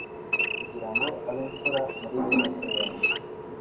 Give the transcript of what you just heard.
kugira ngo abe imfura muri bene se benshi